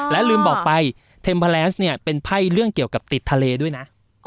และลืมบอกไปเทมพาแลสเนี่ยเป็นไพ่เรื่องเกี่ยวกับติดทะเลด้วยนะ